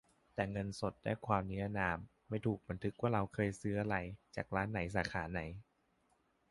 แต่เงินสดได้ความนรินาม ไม่ถูกบันทึกว่าเราเคยซื้ออะไร จากร้านไหน สาขาไหน